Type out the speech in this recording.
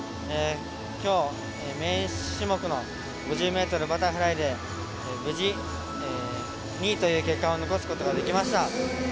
きょう、メイン種目の５０ｍバタフライで無事２位という結果を残すことができました。